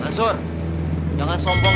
aku sakit hati udah